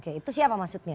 oke itu siapa maksudnya